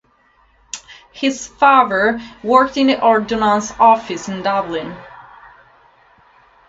His father worked in the Ordnance Office in Dublin.